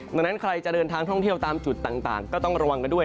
ดังนั้นใครจะเดินทางท่องเที่ยวตามจุดต่างก็ต้องระวังกันด้วย